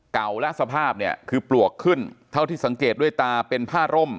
และสภาพเนี่ยคือปลวกขึ้นเท่าที่สังเกตด้วยตาเป็นผ้าร่ม